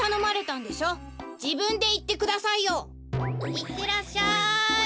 いってらっしゃい！